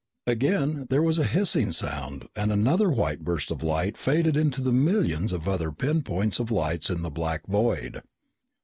Again there was a hissing sound and another white burst of light faded into the millions of other pinpoints of lights in the black void.